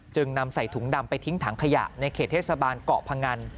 นำใส่ถุงดำไปทิ้งถังขยะในเขตเทศบาลเกาะพงัน